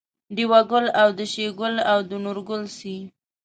دېوه ګل او د شیګل او د نورګل سي